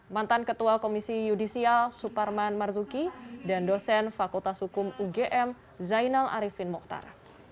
mantan ketua komisi yudisial suparman marzuki dan dosen fakultas hukum ugm zainal arifin mohtar